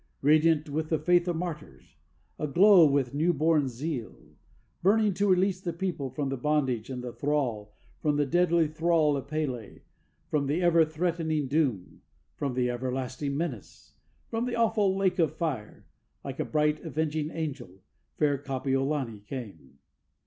Radiant with the faith of martyrs, all aglow with new born zeal, Burning to release the people from the bondage and the thrall, From the deadly thrall of P├®l├®, from the ever threatening doom, From the everlasting menace, from the awful lake of fire, Like a bright avenging angel fair Kapiolani came!